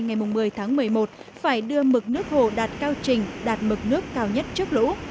ngày một mươi tháng một mươi một phải đưa mực nước hồ đạt cao trình đạt mực nước cao nhất trước lũ